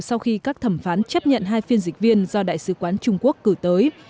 sau khi các thẩm phán chấp nhận hai phiên dịch viên do đại sứ quán trung quốc cử tới